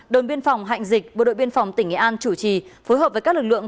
đồn biên phòng hạnh dịch bộ đội biên phòng tỉnh nghệ an chủ trì phối hợp với các lực lượng